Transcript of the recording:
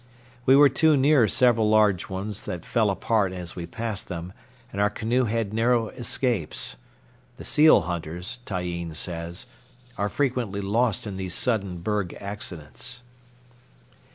We were too near several large ones that fell apart as we passed them, and our canoe had narrow escapes. The seal hunters, Tyeen says, are frequently lost in these sudden berg accidents.